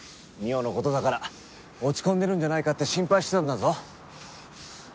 望緒の事だから落ち込んでるんじゃないかって心配してたんだぞ。